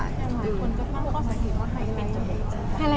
คุณจะเข้าข้อสักทีมาให้ไหม